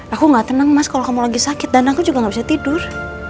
aku gak tenang mas kalau kamu lagi sakit dan aku juga gak bisa tidur